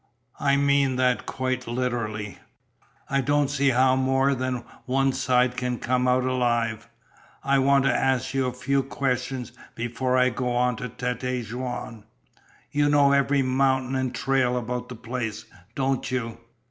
I mean that quite literally. I don't see how more than one side can come out alive. I want to ask you a few questions before I go on to Tête Jaune. You know every mountain and trail about the place, don't you?"